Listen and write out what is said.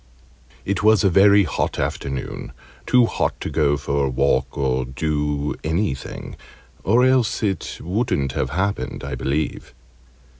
It was a very hot afternoon too hot to go for a walk or do anything or else it wouldn't have happened, I believe.